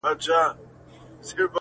هره څپه یې ورانوي د بګړۍ ولونه،،!